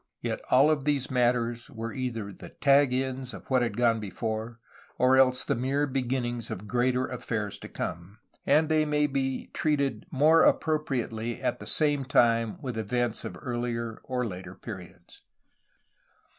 Yet all of these matters were either the 'Hag ends'^ of what had gone before or else the mere beginnings of greater affairs to come, and they may be treated more appropriately at the same time with events of earUer or later periods.